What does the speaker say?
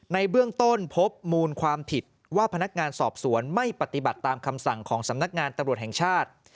ในเบื้องต้นพบมูลความผิดว่าพนักงานสอบสวนไม่ปฏิบัติตามคำสั่งของสำนักงานตำรวจแห่งชาติ